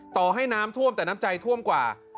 ต่อให้น้ำท่วมแต่น้ำใจท่วมกว่า